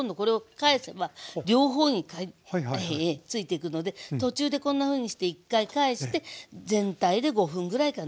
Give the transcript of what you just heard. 両方についていくので途中でこんなふうにして一回返して全体で５分ぐらいかな。